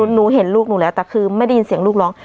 หนูเห็นลูกหนูแล้วแต่คือไม่ได้ยินเสียงลูกร้อง